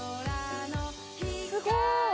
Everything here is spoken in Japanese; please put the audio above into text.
「すごーい！」